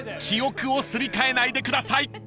［記憶をすり替えないでください！］